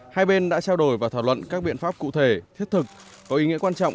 hai bên đã trao đổi và thảo luận các biện pháp cụ thể thiết thực có ý nghĩa quan trọng